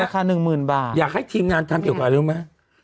หนึ่งหมื่นบาทอยากให้ทีมงานทำเกี่ยวกับอะไรรู้ไหม